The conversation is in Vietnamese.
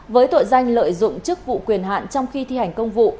với tội danh lợi dụng chức vụ quyền hạn trong khi thi hành công vụ